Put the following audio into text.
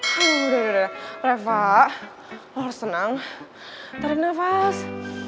aduh udah udah reva lo harus senang tarik nafas